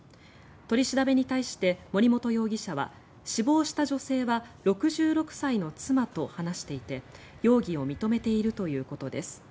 取り調べに対して森本容疑者は死亡した女性は６６歳の妻と話していて容疑を認めているということです。